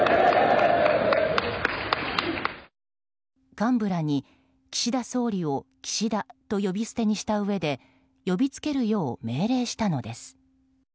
幹部らに岸田総理を岸田と呼び捨てにしたうえで呼びつけるよう命令したのです。